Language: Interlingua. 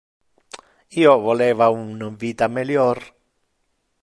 Io voleva un vita melior.